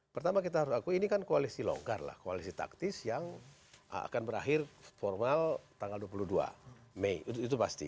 pertama kita harus akui ini kan koalisi longgar lah koalisi taktis yang akan berakhir formal tanggal dua puluh dua mei itu pasti